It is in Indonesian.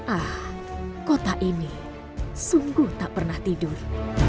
ah kota ini sungguh tak pernah tidur